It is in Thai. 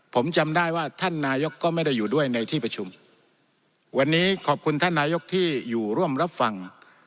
ผมจำได้ว่าท่านนายกก็ไม่ได้อยู่ด้วยในที่ประชุมวันนี้ขอบคุณท่านนายกที่อยู่ร่วมรับฟัง